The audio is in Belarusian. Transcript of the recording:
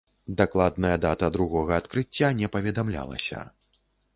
Дакладная дата другога адкрыцця не паведамлялася.